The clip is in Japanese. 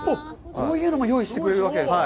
こういうのも用意してくれるわけですか。